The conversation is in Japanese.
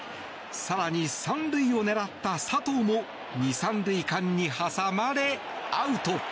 更に３塁を狙った佐藤も２、３塁間に挟まれアウト。